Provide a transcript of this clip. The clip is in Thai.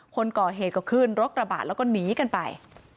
คนก่อเหตุก็ขึ้นรถกระบะแล้วก็หนีกันไป